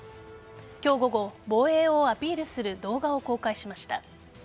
今日午後、防衛をアピールする動画を公開しました。